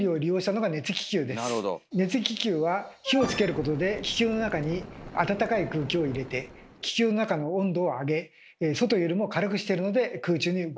熱気球は火をつけることで気球の中にあたたかい空気を入れて気球の中の温度を上げ外よりも軽くしてるので空中に浮くのです。